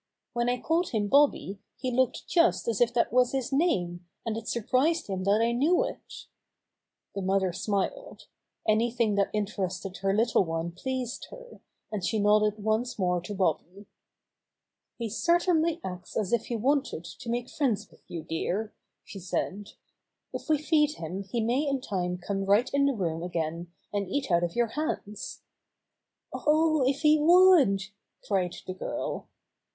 "When I called him Bobby he looked just as if that was his name, and it surprised him that I knew it." The mother smiled. Anything that inter Bobby Makes Friends With the Giii 37 ested her little one pleased her, and she nodded once more to Bobby. "He certainly acts as if he wanted to make friends with you, dear," she said. "If we feed him he may in time come right in the room again and eat out of your hands." "Oh, if he would!" cried the girl.